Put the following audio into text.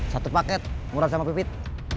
satu paket murah sama pipit